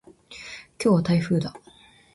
今日は台風だ。